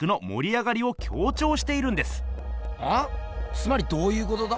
つまりどういうことだ？